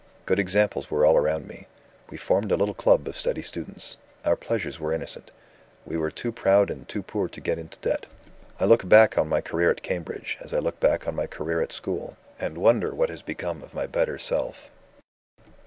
Good examples were all round me. We formed a little club of steady students; our pleasures were innocent; we were too proud and too poor to get into debt. I look back on my career at Cambridge, as I look back on my career at school, and wonder what has become of my better self."